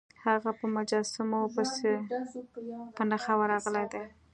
هغه په مجسمو پسې په نښه ورغلی دی.